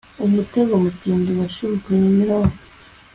umutego mutindi washibukanye nyirawo